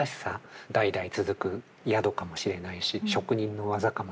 代々続く宿かもしれないし職人の技かもしれないし。